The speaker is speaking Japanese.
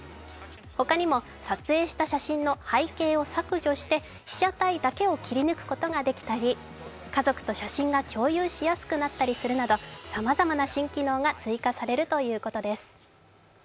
他にも撮影した写真の背景を削除して被写体だけを切り抜くことができたり家族と写真が共有しやすくなったりするなどさまざまな新機能が追加されるということです。